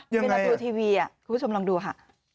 เวลาดูทีวีคุณผู้ชมลองดูค่ะ